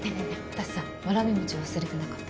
私さわらび餅忘れてなかった？